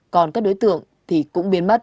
còn các đối tượng thì cũng biến mất